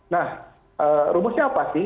nah rumusnya apa sih